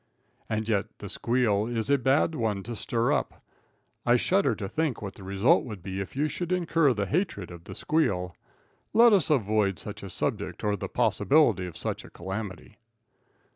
And yet "The Squeal" is a bad one to stir up. I shudder to think what the result would be if you should incur the hatred of "The Squeal." Let us avoid such a subject or the possibility of such a calamity.